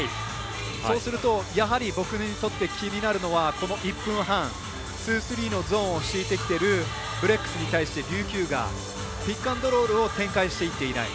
そうすると、やはり僕にとって気になるのはこの１分半、２−３のゾーンを敷いてきているブレックスに対して琉球がピックアンドロールを展開していっていない。